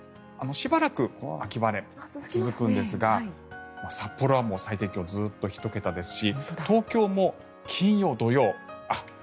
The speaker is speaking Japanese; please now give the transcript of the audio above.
しばらく秋晴れが続くんですが札幌は最低気温、ずっと１桁ですし